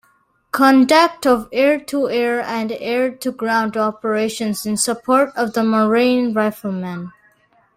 Conduct of Air-to-Air and Air-to-Ground operations in support of the Marine rifleman.